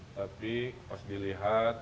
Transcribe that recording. tapi pas dilihat